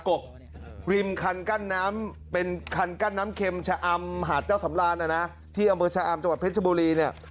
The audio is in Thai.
กบริมคันกั้นน้ำเป็นคันกั้นน้ำเข็มชะอำหาดเจ้าสำรานนะนะที่อำเภอชะอำจังหวัดเพชรบุรีเนี่ย